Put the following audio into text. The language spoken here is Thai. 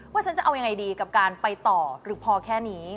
ฉันจะเอายังไงดีกับการไปต่อหรือพอแค่นี้